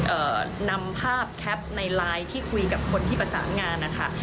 เอ่อนำภาพแคปในไลน์ที่คุยกับคนที่ประสานงานนะคะ